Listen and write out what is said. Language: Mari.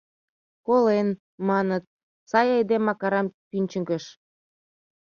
— Колен, — маныт, — сай айдемак арам тӱнчыгыш.